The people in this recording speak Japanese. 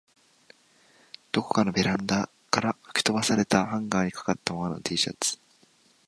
どこかのベランダから吹き飛ばされたハンガーに掛かったままの Ｔ シャツ